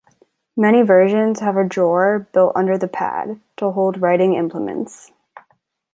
Many versions have a drawer built under the pad, to hold writing implements.